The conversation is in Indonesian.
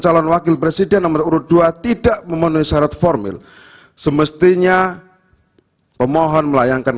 calon wakil presiden nomor urut dua tidak memenuhi syarat formil semestinya pemohon melayangkan